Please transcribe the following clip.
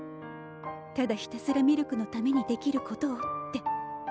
ただひたすらミルクのためにできることをって。